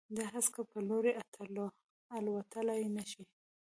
د هسک په لوري، الوتللای نه شي